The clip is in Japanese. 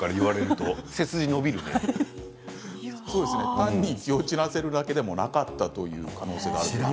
単に気を散らせるだけでもなかったという可能性があります。